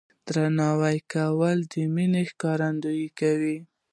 درناوی کول د مینې ښکارندویي کوي.